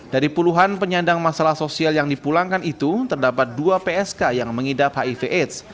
dari puluhan penyandang masalah sosial yang dipulangkan itu terdapat dua psk yang mengidap hiv aids